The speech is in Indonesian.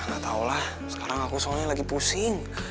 gak tahulah sekarang aku soalnya lagi pusing